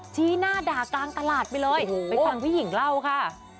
ชี้หน้าด่ากลางตลาดไปเลยไปฟังพี่หญิงเล่าค่ะ